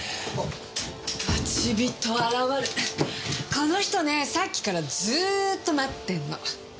この人ねぇさっきからずーっと待ってんの。